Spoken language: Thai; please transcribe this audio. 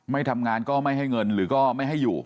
ไม่ทำงานก็ไม่ให้เงินหรือก็ไม่ให้อยู่